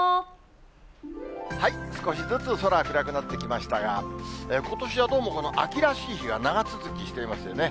少しずつ、空暗くなってきましたが、ことしはどうも秋らしい日が長続きしていますよね。